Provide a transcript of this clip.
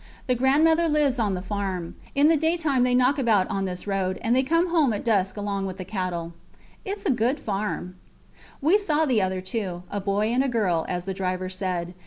The grandmother lives on the farm. In the daytime they knock about on this road, and they come home at dusk along with the cattle. ... Its a good farm. We saw the other two: a boy and a girl, as the driver said.